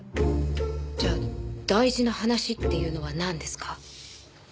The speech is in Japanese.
じゃあ大事な話っていうのはなんですか？